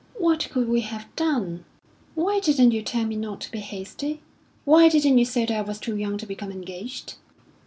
"What could we have done?" "Why didn't you tell me not to be hasty? Why didn't you say that I was too young to become engaged?"